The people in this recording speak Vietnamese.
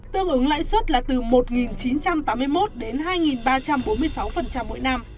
tương ứng lãi suất là từ một chín trăm tám mươi một đến hai ba trăm bốn mươi sáu mỗi năm